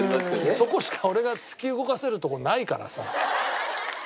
そこしか俺が突き動かせるとこないからさ。